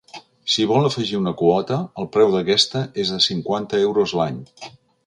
Si vol afegir una quota, el preu d'aquesta és de cinquanta euros l'any.